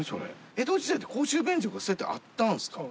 江戸時代って公衆便所がそうやってあったんですか？